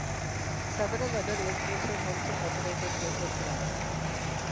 Several other air forces also operated the aircraft.